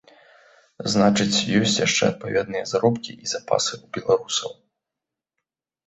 Значыць, ёсць яшчэ адпаведныя заробкі і запасы ў беларусаў.